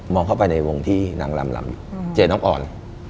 เข้าไปในวงที่นางลำเจอน้องอ่อน